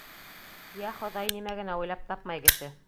— Йә, Хоҙай, нимә генә уйлап тапмай кеше.